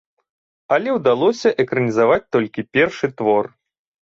Але ўдалося экранізаваць толькі першы твор.